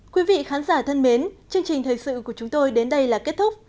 quý vị khán giả thân mến chương trình thời sự của chúng tôi đến đây là kết thúc